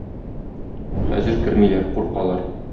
Хәзер кермиләр, куркалар.